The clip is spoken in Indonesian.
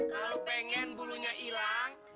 kalau pengen bulunya hilang